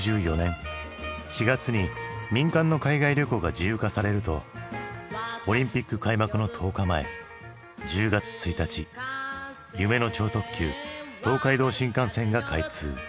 ４月に民間の海外旅行が自由化されるとオリンピック開幕の１０日前１０月１日夢の超特急東海道新幹線が開通。